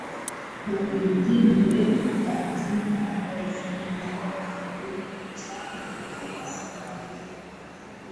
na wengine takriban elfu mia elfu moja na mia mbili